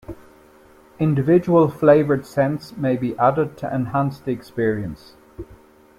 Individual flavored scents may be added to enhance the experience.